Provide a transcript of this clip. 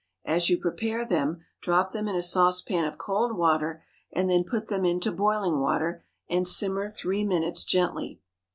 As you prepare them, drop them in a saucepan of cold water, and then put them into boiling water, and simmer three minutes gently.